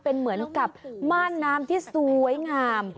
เป็นเหมือนกับม่านน้ำที่สวยงาม